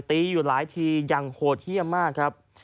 อยู่หลายทีอย่างโหดเยี่ยมมากครับ